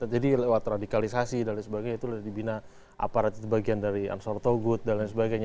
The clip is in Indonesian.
jadi lewat radikalisasi dan sebagainya itu dibina aparat itu bagian dari ansar togut dan lain sebagainya